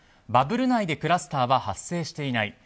バブル内でクラスターは発生していない。